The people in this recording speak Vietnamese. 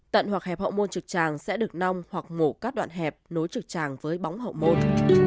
tận hoặc hẹp hậu môn trực tràng sẽ được nong hoặc mổ các đoạn hẹp nối trực tràng với bóng hậu môn